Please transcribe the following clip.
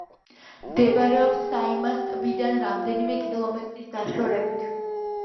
მდებარეობს საიმას ტბიდან რამდენიმე კილომეტრის დაშორებით.